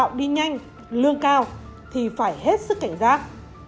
đào tạo đi nhanh lương cao thì phải hết sức cảnh giác